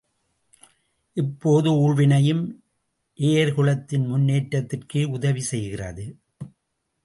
இப்போது ஊழ்வினையும் ஏயர்குலத்தின் முன்னேற்றத்திற்கே உதவி செய்கிறது.